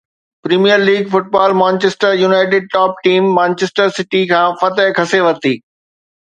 premier league football Manchester United top team Manchester City کان فتح کسي ورتي